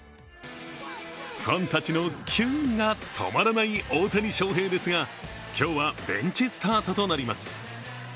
ファンたちのキュンが止まらない大谷翔平ですが今日はベンチスタートとなります。